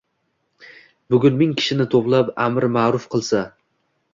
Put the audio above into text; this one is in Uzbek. bugun ming kishini to’plab “amri-ma’ruf” qilsa